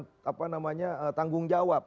untuk apa namanya tanggung jawab